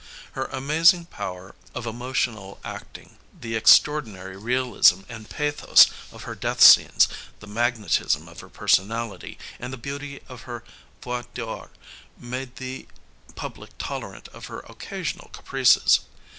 Her amazing power of emotional acting, the extraordinary realism and pathos of her death scenes, the magnetism of her personality, and the beauty of her "voix d'or," made the public tolerant of her occasional caprices.